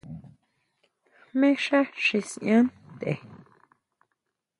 ¿Jmé xá xi siʼan ntʼe?